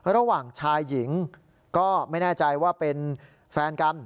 ระหว่างชายหญิงก็ไม่แน่ใจว่าเป็นแฟนกัน